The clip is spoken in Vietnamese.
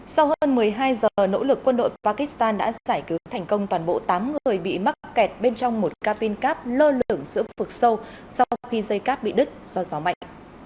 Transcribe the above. sau hơn một mươi hai giờ nỗ lực quân đội pakistan đã giải cứu thành công toàn bộ tám người bị mắc kẹt bên trong một cabin cab lơ lửng giữa phực sâu sau khi dây cab bị đứt do gió mạnh